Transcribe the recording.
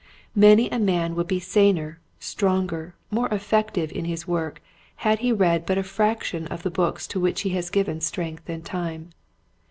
Many a man would be saner, stronger, more effective in his work had he read but a fraction of the books to which he has given strength and time.